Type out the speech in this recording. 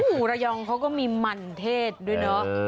โอ้โหระยองเขาก็มีมันเทศด้วยเนาะ